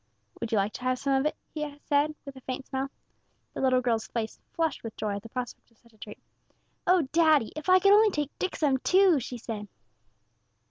"Would you like to have some of it?" he said, with a faint smile. The little girl's face flushed with joy at the prospect of such a treat. "Oh, daddy! if I could only take Dick some, too," she said.